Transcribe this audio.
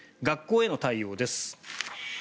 学校への対応です。